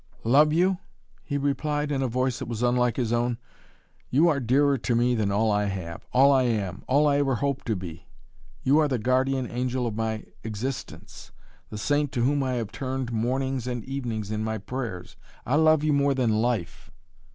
"Love you?" he replied, in a voice that was unlike his own. "You are dearer to me than all I have, all I am, all I ever hope to be! You are the guardian angel of my existence, the saint to whom I have turned mornings and evenings in my prayers! I love you more than life!"